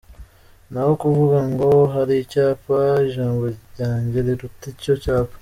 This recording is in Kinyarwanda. Naho kuvuga ngo hari icyapa, ijambo ryanjye riruta icyo cyapa’’.